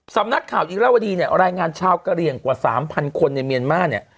สำนักข่าวอีกแล้ววันนี้เนี่ยรายงานชาวกระเรียงกว่า๓๐๐๐คนในเมียนมาสเนี่ย